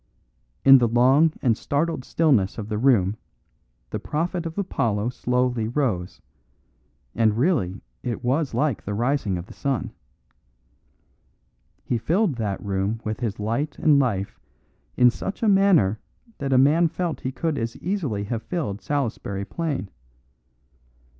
In the long and startled stillness of the room the prophet of Apollo slowly rose; and really it was like the rising of the sun. He filled that room with his light and life in such a manner that a man felt he could as easily have filled Salisbury Plain.